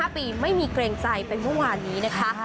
๕ปีไม่มีเกรงใจไปเมื่อวานนี้นะคะ